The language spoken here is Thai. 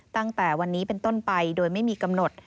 ตั้งแต่วันนี้เป็นต้นไปโดยไม่มีกำหนด